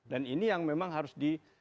dan ini yang memang harus